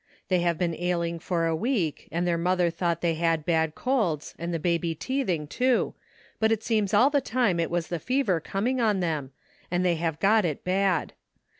They have been ailing for a week, and their mother thought they had bad colds, and the baby teething, too, but it seems all the time it was the fever coming on them, and they have got it bad.